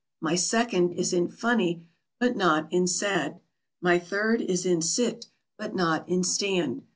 My second is in funny, but not in sad. My third is in sit, but not in stand.